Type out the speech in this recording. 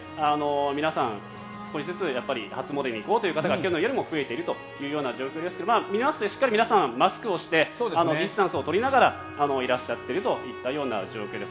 皆さん、少しずつ初詣に行こうという方が去年よりも増えているという状況ですが見回すとしっかり皆さんマスクをしてディスタンスを取りながらいらっしゃっているといった状況です。